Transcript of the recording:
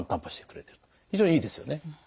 非常にいいですよね。